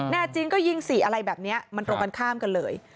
แน่จริงก็ยิงสิอะไรแบบนี้มันตรงกันข้ามกันเลย